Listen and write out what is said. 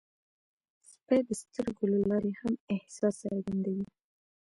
سپي د سترګو له لارې هم احساس څرګندوي.